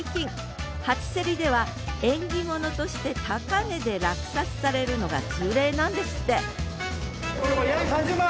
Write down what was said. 初競りでは縁起物として高値で落札されるのが通例なんですって３０万！